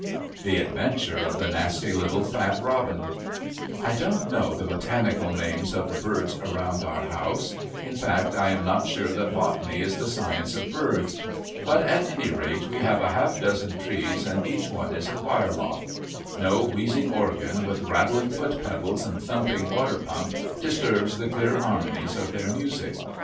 The Adventure of the Nasty Little Fat Robin: I don't know the botanical names of the birds around our house; in fact, I am not sure that botany is the science of birds. But, at any rate, we have half a dozen trees and each one is a choir loft. No wheezing organ, with rattling foot pedals and thumping water pump, disturbs the clear harmonies of their music.